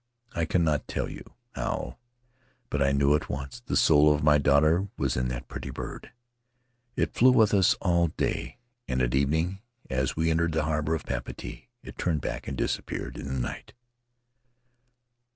I cannot tell you how, but I knew at once the soul of my daughter was in that pretty bird. It flew with us all day, and at evening, as we entered the harbor of Papeete, it turned back and disappeared in the night.